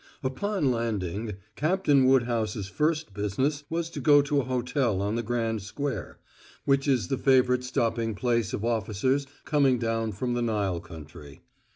Upon landing, Captain Woodhouse's first business was to go to a hotel on the Grand Square, which is the favorite stopping place of officers coming down from the Nile country.